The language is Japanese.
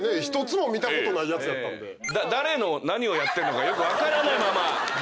誰の何をやってんのかよく分からないままぐっと。